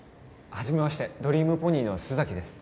はじめましてドリームポニーの須崎です